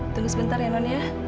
tunggu sebentar ya noni ya